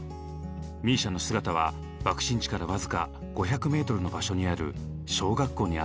ＭＩＳＩＡの姿は爆心地から僅か５００ｍの場所にある小学校にあった。